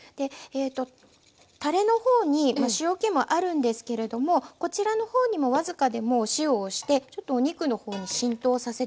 たれの方に塩気もあるんですけれどもこちらの方にも僅かでもお塩をしてちょっとお肉の方に浸透させて下さい。